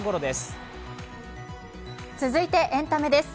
続いてエンタメです。